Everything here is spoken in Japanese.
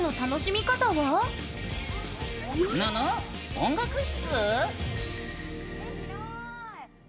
音楽室？